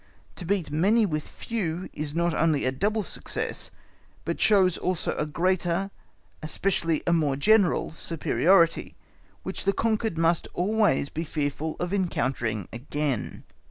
To beat many with few is not only a double success, but shows also a greater, especially a more general superiority, which the conquered must always be fearful of encountering again.